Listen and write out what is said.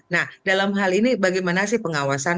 nah dalam hal ini bagaimana sih pengawasan